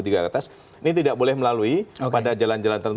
ini tidak boleh melalui pada jalan jalan tertentu